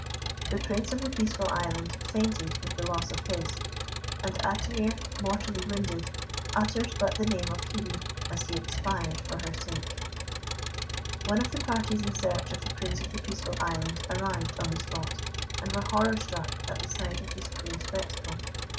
The Prince of the Peaceful Island fainted with the loss of his; and Atimir, mortally wounded, uttered but the name of Hebe as he expired for her sake. One of the parties in search of the Prince of the Peaceful Island arrived on the spot, and were horror struck at the sight of this cruel spectacle.